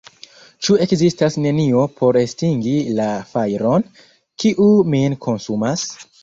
Ĉu ekzistas nenio por estingi la fajron, kiu min konsumas?